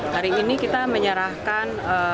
hari ini kita menyerahkan